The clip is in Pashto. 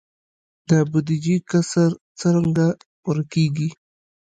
د بودیجې کسر څنګه پوره کیږي؟